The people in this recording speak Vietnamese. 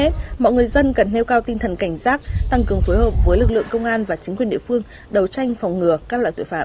tinh thần cảnh giác tăng cường phối hợp với lực lượng công an và chính quyền địa phương đầu tranh phòng ngừa các loại tội phạm